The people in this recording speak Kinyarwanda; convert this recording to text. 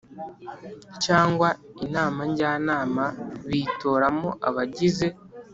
Cyangwa inama njyanama bitoramo abagize